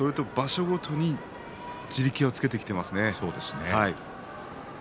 場所ごとに地力をつけてきていますね。